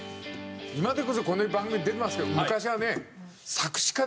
今でこそこんな番組出てますけど。